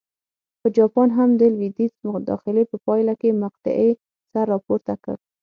په جاپان هم د لوېدیځ مداخلې په پایله کې مقطعې سر راپورته کړ.